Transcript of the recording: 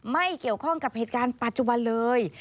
ไม่เกี่ยวข้องกับเหตุการณ์ปัจจุบันเลย